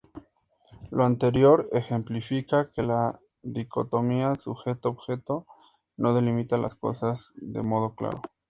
Lo anterior ejemplifica que la dicotomía sujeto-objeto no delimita las cosas de modo claro.